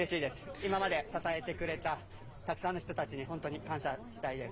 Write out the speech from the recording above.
今まで支えてくれたたくさんの人たちに本当に感謝したいです。